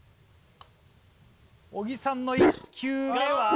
小木さんの１球目は。